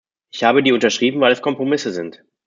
Ich habe die unterschrieben, weil es Kompromisse sind.